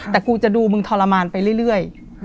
แต่กูจะดูมึงทรมานไปเรื่อย